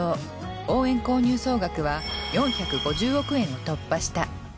応援購入総額は４５０億円を突破した。